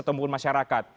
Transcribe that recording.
aktivis ataupun masyarakat